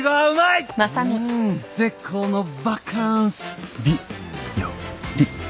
絶好のバカンスび・よ・り。